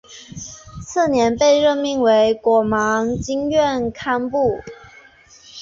次年被任命为果芒经院堪布。